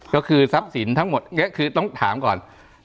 ก็คือทรัพย์สินทั้งหมดนี้คือต้องถามก่อน